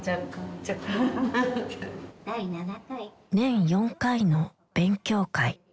若干？年４回の勉強会。